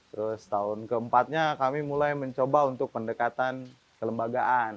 terus tahun keempatnya kami mulai mencoba untuk pendekatan kelembagaan